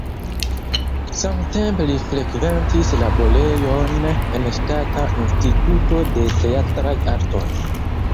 Samtempe li frekventis laborejon en Ŝtata Instituto de Teatraj Artoj.